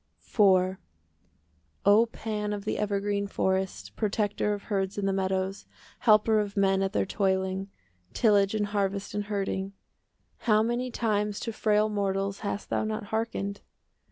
IV O Pan of the evergreen forest, Protector of herds in the meadows, Helper of men at their toiling,— Tillage and harvest and herding,— How many times to frail mortals 5 Hast thou not hearkened!